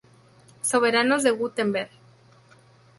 Soberanos de Wurtemberg